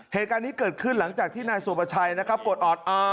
เหตุการณ์นี้เกิดขึ้นหลังจากที่นายสวบชัยกดออด